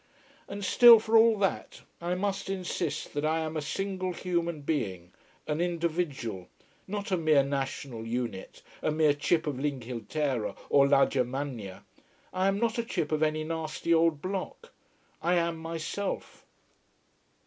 And still, for all that, I must insist that I am a single human being, an individual, not a mere national unit, a mere chip of l'Inghilterra or la Germania. I am not a chip of any nasty old block. I am myself.